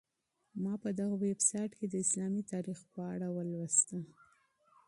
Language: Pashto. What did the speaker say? ما په دغه ویبسایټ کي د اسلامي تاریخ په اړه ولوسهمېشه.